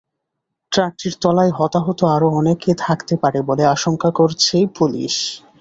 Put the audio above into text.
ট্রাকটির তলায় হতাহত আরও অনেকে থাকতে পারে বলে আশঙ্কা করছে পুলিশ।